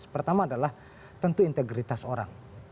pertama adalah tentu integritas orang